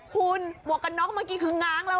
คุณหมวกกันน็อกเมื่อกี้คือง้างแล้ว